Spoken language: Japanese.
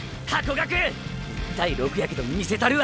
１対６やけど見せたるわ！！